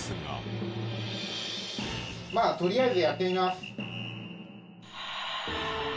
まあとりあえずやってみます。